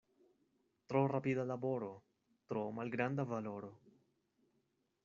Tro rapida laboro, tro malgranda valoro.